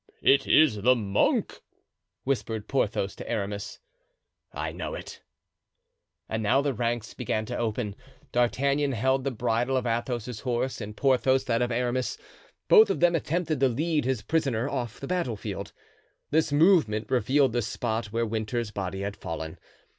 "It is the monk," whispered Porthos to Aramis. "I know it." And now the ranks began to open. D'Artagnan held the bridle of Athos's horse and Porthos that of Aramis. Both of them attempted to lead his prisoner off the battle field. This movement revealed the spot where Winter's body had fallen.